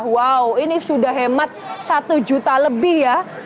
wow ini sudah hemat satu juta lebih ya